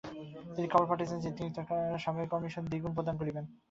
তিনি খবর পাঠিয়েছিলেন যে তিনি তার স্বাভাবিক কমিশন দ্বিগুণ প্রদান করবেন।